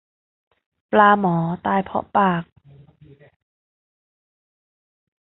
ปลาหมอตายเพราะปาก